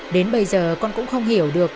đến bây giờ con cũng không hiểu được